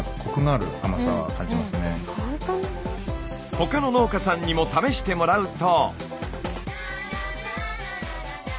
他の農家さんにも試してもらうと。